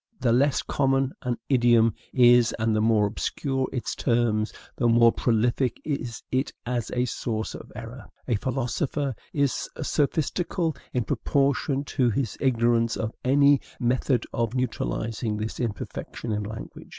The less common an idiom is, and the more obscure its terms, the more prolific is it as a source of error: a philosopher is sophistical in proportion to his ignorance of any method of neutralizing this imperfection in language.